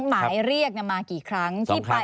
หมายเรียกมากี่ครั้ง